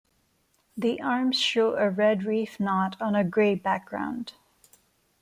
The arms show a red reef knot on a gray background.